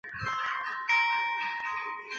而且这还有利于日后获取英属哥伦比亚。